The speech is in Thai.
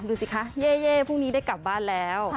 ดูสิคะเย่พรุ่งนี้ได้กลับบ้านแล้ว